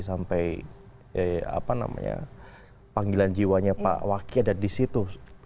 sampai apa namanya panggilan jiwanya pak wakil ada di situ